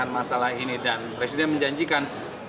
masalah ini dan presiden menjanjikan